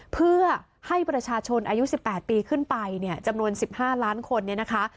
เพื่อให้ประชาชนอายุ๑๘ปีขึ้นไปเนี่ยจำนวน๑๕ล้านคนเนี่ยนะคะ